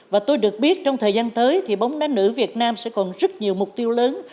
và tôi được biết trong thời gian tới thì bóng đá nữ việt nam sẽ còn rất nhiều mục tiêu lớn